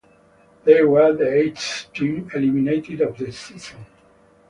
They were the eighth team eliminated of the season.